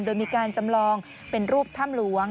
โดยมีการจำลองเป็นรูปถ้ำหลวง